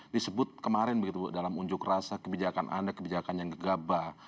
disebut kemarin begitu bu dalam unjuk rasa kebijakan anda kebijakan yang gegabah